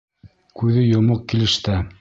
Күҙе йомоҡ килеш тә...